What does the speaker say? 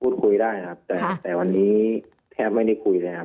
พูดคุยได้ครับแต่วันนี้แทบไม่ได้คุยเลยครับ